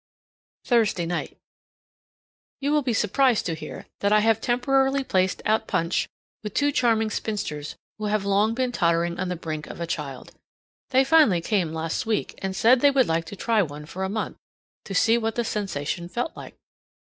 Thursday night. You will be interested to hear that I have temporarily placed out Punch with two charming spinsters who have long been tottering on the brink of a child. They finally came last week, and said they would like to try one for a month to see what the sensation felt like.